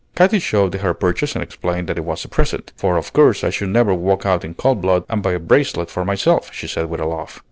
Katy showed her purchase and explained that it was a present; "for of course I should never walk out in cold blood and buy a bracelet for myself," she said with a laugh.